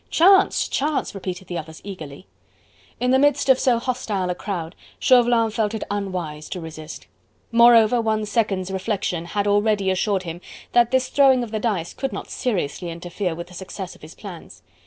"Chance! Chance!" repeated the others eagerly. In the midst of so hostile a crowd, Chauvelin felt it unwise to resist. Moreover, one second's reflection had already assured him that this throwing of the dice could not seriously interfere with the success of his plans.